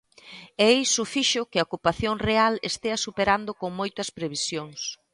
E iso fixo que a ocupación real estea superando con moito as previsións.